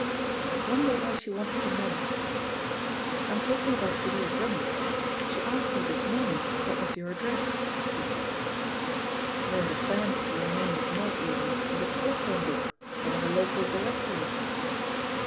"I wonder why she wanted to know. I'm talking about Thalia Drummond. She asked me this morning what was your address," he said. "I understand your name is not even in the telephone book or in the local directory."